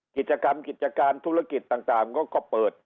กิจกรรมกิจการธุรกิจต่างก็เปิด